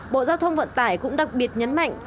bộ giao thông vận tải cũng đặc biệt nhấn mạnh